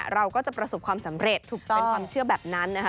เราก็จะประสบความสำเร็จถูกเป็นความเชื่อแบบนั้นนะคะ